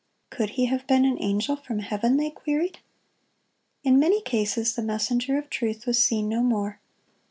Could he have been an angel from heaven? they queried. In many cases the messenger of truth was seen no more.